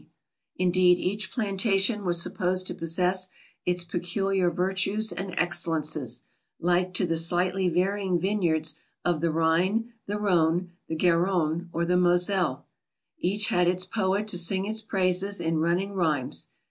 Indeed, each plantation was supposed to possess its peculiar virtues and excellences, like to the slightly varying vineyards of the Rhine, the Rhone, the Garonne, or the Moselle. Each had its poet to sing its praises in running rhymes.